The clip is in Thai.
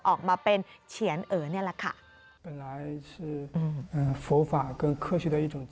ออกมาเป็นเฉียนเอ๋นี่แหละค่ะ